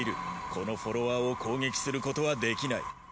このフォロワーを攻撃することはできない。